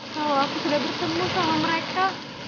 kalau aku sudah bersama mereka